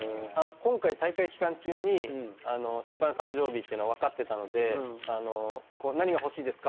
今回大会期間中に先輩の誕生日っていうのはわかってたので「何が欲しいですか？」